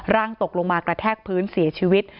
ร่างตกลงมากระแทกพื้นเสียชีวิต